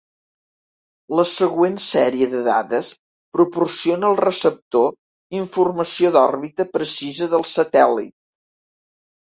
La següent sèrie de dades proporciona al receptor informació d'òrbita precisa del satèl·lit.